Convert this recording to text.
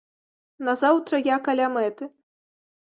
Назаўтра я каля мэты.